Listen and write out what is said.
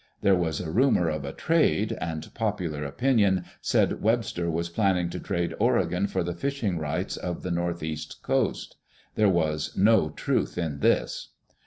There was a rumor of a "trade," and popular opinion said Webster was planning to trade Oregon for the fishing rights of the Northeast Coast. There was no truth in this.